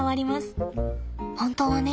本当はね